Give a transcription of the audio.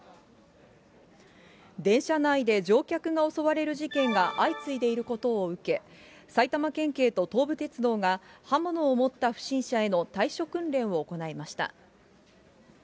電車内で乗客が襲われる事件が相次いでいることを受け、埼玉県警と東武鉄道が、刃物を持った不審者への対処訓練を行いました。